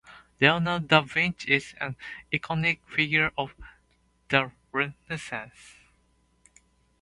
Leonardo da Vinci is an iconic figure of the Renaissance.